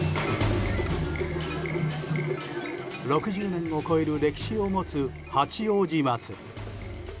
６０年を超える歴史を持つ八王子まつり。